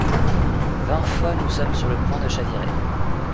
Vingt fois nous sommes sur le point de chavirer.